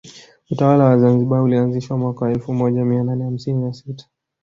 Utawala wa Zanzibar ulianzishwa mwaka wa elfu moja mia nane hamsini na sita